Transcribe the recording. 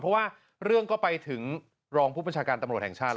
เพราะว่าเรื่องก็ไปถึงรองผู้ประชาการตำรวจแห่งชาติ